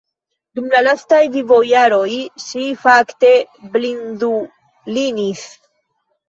Dum la lastaj vivojaroj ŝi fakte blindulinis.